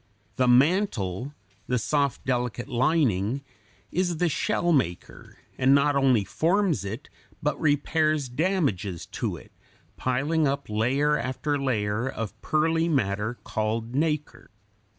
The mantle, the soft, delicate lining, is the shell maker, and not only forms it, but repairs damages to it, piling up layer after layer of pearly matter called nacre.